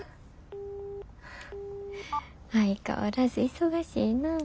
相変わらず忙しいなぁ。